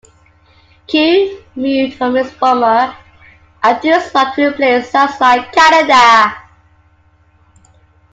"Q" moved from its former afternoon slot to replace "Sounds Like Canada".